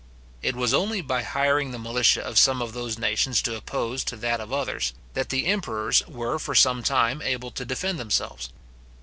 It was only by hiring the militia of some of those nations to oppose to that of others, that the emperors were for some time able to defend themselves.